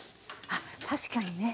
あっ確かにね